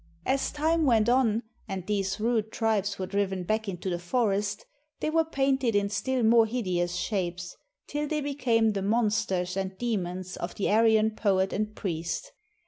As time went on. and these rude tribes were driven back into the forest, they were painted in still more hideous shapes, till they became the '"monsters" and '"dem.ons" of the Ar}'an poet and priest.